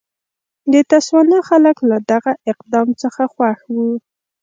د تسوانا خلک له دغه اقدام څخه خوښ وو.